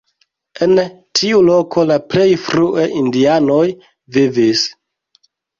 En tiu loko la plej frue indianoj vivis.